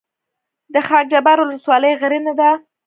د خاک جبار ولسوالۍ غرنۍ ده